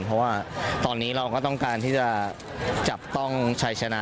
เพราะว่าตอนนี้เราก็ต้องการที่จะจับต้องชัยชนะ